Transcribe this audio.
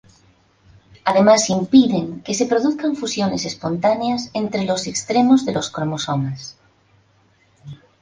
Además impiden que se produzcan fusiones espontáneas entre los extremos de los cromosomas.